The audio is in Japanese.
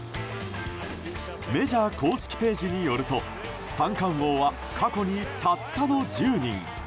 メジャー公式ページによると三冠王は過去にたったの１０人。